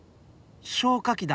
消火器だ。